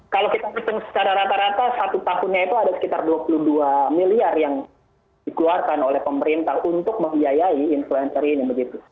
kalau kita hitung secara rata rata satu tahunnya itu ada sekitar dua puluh dua miliar yang dikeluarkan oleh pemerintah untuk membiayai influencer ini begitu